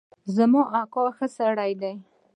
زما اکا ښه سړی دی